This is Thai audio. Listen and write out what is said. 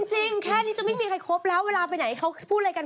จริงแค่นี้จะไม่มีใครคบแล้วเวลาไปไหนเขาพูดอะไรกัน